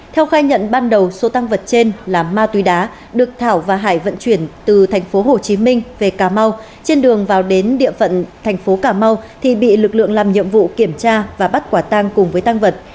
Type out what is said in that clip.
theo khai nhận ban đầu số tăng vật trên là ma túy đá được thảo và hải vận chuyển từ tp hcm về cà mau trên đường vào đến địa phận thành phố cà mau thì bị lực lượng làm nhiệm vụ kiểm tra và bắt quả tang cùng với tăng vật